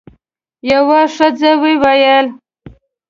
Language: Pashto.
یوه ښځه وویل: